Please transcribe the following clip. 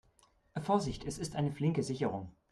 Vorsichtig, es ist eine flinke Sicherung.